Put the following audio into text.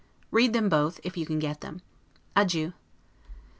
Read them both, if you can get them. Adieu.